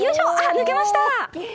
抜けました。